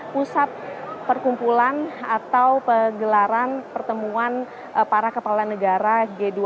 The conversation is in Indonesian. pusat perkumpulan atau pegelaran pertemuan para kepala negara g dua puluh